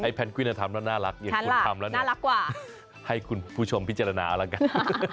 ไอ้เพนกวินน่าทำแล้วน่ารักอย่างคุณทำแล้วเนี่ยให้คุณผู้ชมพิจารณาเอาล่ะกัน